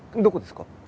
どこですか？